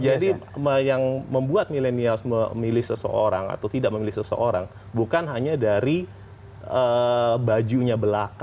jadi yang membuat milenials memilih seseorang atau tidak memilih seseorang bukan hanya dari bajunya belaka